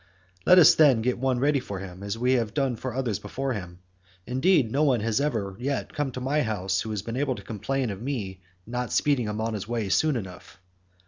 Let us then get one ready for him, as we have done for others before him; indeed, no one who ever yet came to my house has been able to complain of me for not speeding on his way soon enough.